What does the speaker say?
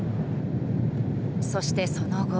そしてその後。